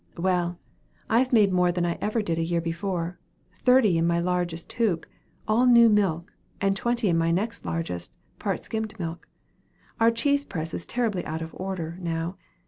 "Well, I've made more than I ever did a year afore thirty in my largest hoop, all new milk, and twenty in my next largest, part skimmed milk. Our cheese press is terribly out of order, now.